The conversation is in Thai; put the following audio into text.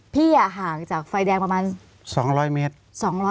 ห่างจากไฟแดงประมาณ๒๐๐เมตร